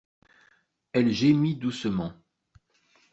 Elle gémit doucement.